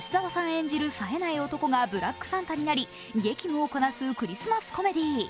演じるさえない男がブラックサンタになり激務をこなすクリスマスコメディー。